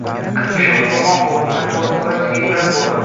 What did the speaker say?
Qirq kishi musulmon boʻldi, taqvosi barchaga ibrat boʻldi